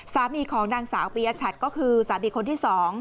สามีของนางสาวปียชัดก็คือสามีคนที่๒